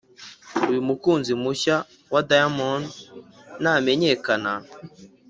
uyu mukunzi mushya wa diamond namenyekana